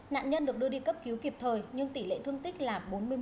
nạn nhân được đưa đi cấp cứu kịp thời nhưng tỷ lệ thương tích là bốn mươi một